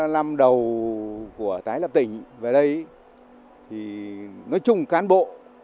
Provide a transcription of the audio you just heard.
năm đầu của tái lập tỉnh về đây thì nói chung cán bộ